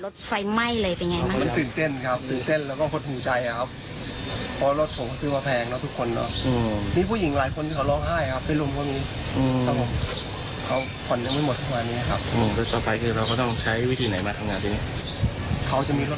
ที่เอารถเสียหายเป็นอย่างไรบ้างตอนนี้